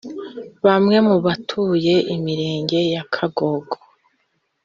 Bamwe mu batuye imirenge ya Kagogo